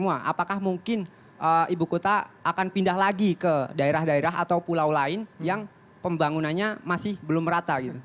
apakah mungkin ibu kota akan pindah lagi ke daerah daerah atau pulau lain yang pembangunannya masih belum rata